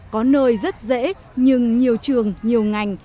có nơi rất dễ nhưng nhiều trường nhiều ngành